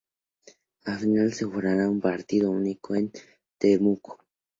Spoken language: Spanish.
La final se jugará a partido único en Temuco.